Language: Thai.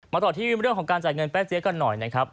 ต่อที่เรื่องของการจ่ายเงินแป้เจ๊กันหน่อยนะครับ